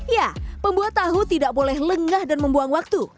ya pembuat tahu tidak boleh lengah dan membuang waktu